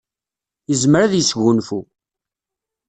Yezmer ad yesgunfu.